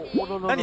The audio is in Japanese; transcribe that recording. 何？